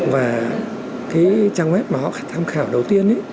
và cái trang web mà họ tham khảo đầu tiên